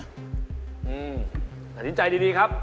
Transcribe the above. หมานี่ใจดีครับ